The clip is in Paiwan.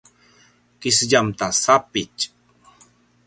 kisedjam ta sapitj